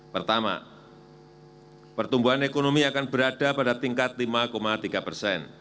pertama pertumbuhan ekonomi akan berada pada tingkat lima tiga persen